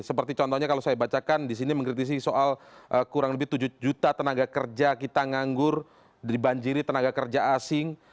seperti contohnya kalau saya bacakan di sini mengkritisi soal kurang lebih tujuh juta tenaga kerja kita nganggur dibanjiri tenaga kerja asing